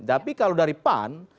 tapi kalau dari pan